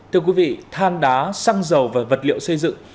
thưa quý vị than đá xăng dầu và vật liệu xây dựng